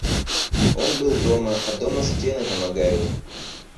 Он был дома, а дома стены помогают.